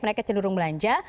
mereka cenderung belanja